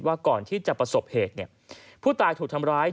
ก่อนที่จะประสบเหตุผู้ตายถูกทำร้าย